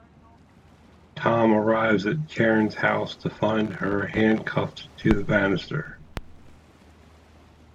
Tom arrives at Karen's house, to find her handcuffed to the banister.